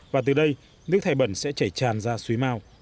và từ đây nước thải bẩn sẽ chảy tràn ra suối mau